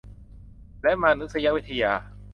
และมานุษยวิทยา